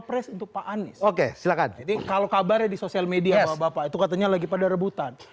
pres untuk pak anies oke silakan jadi kalau kabarnya di sosial media bapak itu katanya lagi pada rebutan